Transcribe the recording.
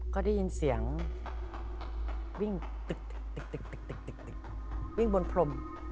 ก็ได้ยินเสียงวิ่งตึกวิ่งบนพรม